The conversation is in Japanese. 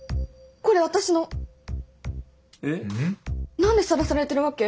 何でさらされてるわけ？